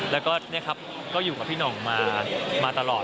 แล้วก็นี่ครับก็อยู่กับพี่หน่องมาตลอด